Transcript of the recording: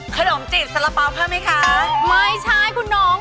ขนมจีบสระป๊อบหรือไม่คะไม่ใช่คุณน้อง